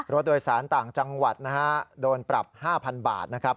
รถโดยสารต่างจังหวัดนะฮะโดนปรับ๕๐๐บาทนะครับ